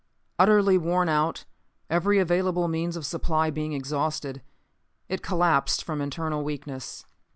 Utterly worn out, every available means of supply being exhausted, it collapsed from internal weakness.